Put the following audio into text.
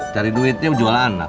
cari duit jualan anak